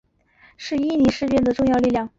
是伊宁事变的重要力量。